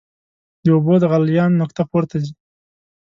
د اوبو د غلیان نقطه پورته ځي.